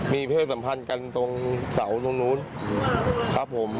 มีเพศสัมพันธ์กันตรงเสาตรงนู้นครับผม